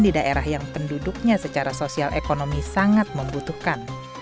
di daerah yang penduduknya secara sosial ekonomi sangat membutuhkan